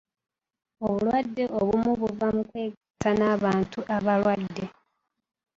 Obulwadde obumu buva mu kwegatta n'abantu abalwadde.